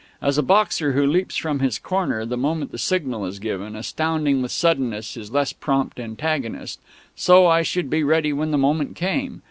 As a boxer who leaps from his corner the moment the signal is given, astounding with suddenness his less prompt antagonist, so I should be ready when the moment came.